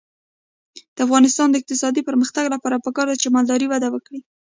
د افغانستان د اقتصادي پرمختګ لپاره پکار ده چې مالداري وده وکړي.